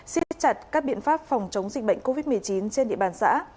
xiết chặt các biện pháp phòng chống dịch bệnh covid một mươi chín trên địa bàn xã